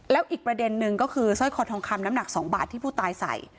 แล้วอีกประเด็นนึงก็คือสร้อยคอทองคำน้ำหนัก๒บาทที่ผู้ตายใส่